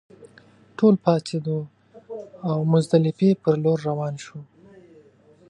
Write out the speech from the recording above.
ټول پاڅېدو او مزدلفې پر لور روان شوو.